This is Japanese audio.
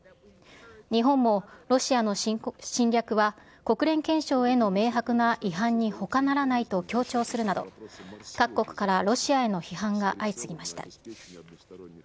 日本もロシアの侵略は国連憲章への明白な違反にほかならないと強調するなど、各国からロシアへの批判が相次ぎました。